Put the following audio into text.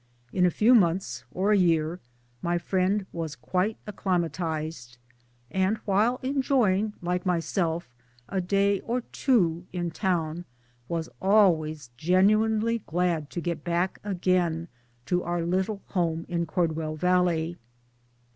In a few months or a year my friend was quite acclimatized, and while enjoying 1 (like myself) a day or two in town was always genuinely glad to get back again to our little home in Cordweli Valley.